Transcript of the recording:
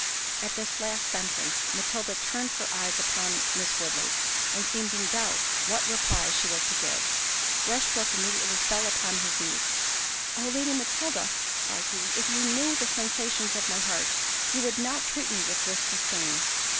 At this last sentence, Matilda turned her eyes on Miss Woodley, and seemed in doubt what reply she was to give. Rushbrook immediately fell upon his knees—"Oh! Lady Matilda," cried he, "if you knew the sensations of my heart, you would not treat me with this disdain."